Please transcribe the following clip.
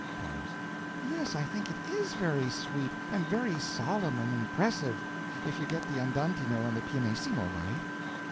Pause. Yes, I think it_ is_ very sweet and very solemn and impressive, if you get the andantino and the pianissimo right.